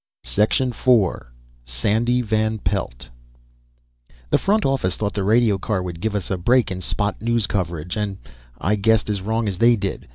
IV Sandy Van Pelt The front office thought the radio car would give us a break in spot news coverage, and I guessed as wrong as they did.